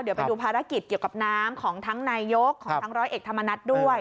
เดี๋ยวไปดูภารกิจเกี่ยวกับน้ำของทั้งนายกของทั้งร้อยเอกธรรมนัฐด้วย